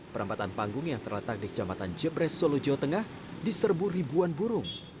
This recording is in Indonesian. perampatan panggung yang terletak di jamatan jebres solo jawa tengah diserbu ribuan burung